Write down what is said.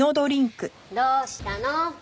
どうしたの？